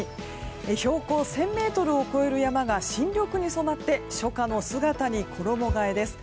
標高１０００ｍを超える山が新緑に染まって初夏の姿に衣替えです。